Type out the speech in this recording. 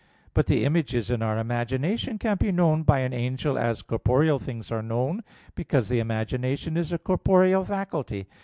But the images in our imagination can be known by an angel as corporeal things are known: because the imagination is a corporeal faculty.